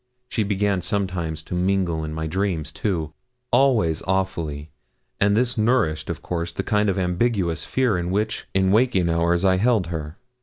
She began sometimes to mingle in my dreams, too always awfully; and this nourished, of course, the kind of ambiguous fear in which, in waking hours, I held her.